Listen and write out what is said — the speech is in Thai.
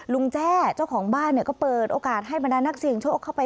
แจ้เจ้าของบ้านเนี่ยก็เปิดโอกาสให้บรรดานักเสี่ยงโชคเข้าไป